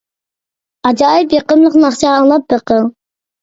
ئاجايىپ يېقىملىق ناخشا، ئاڭلاپ بېقىڭ!